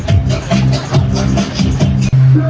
สวัสดีครับวันนี้ชัพเบียนเอ้าเฮ้ย